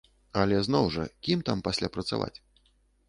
Але зноў жа, кім там пасля працаваць?